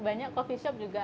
banyak coffee shop juga